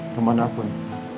teman aku ini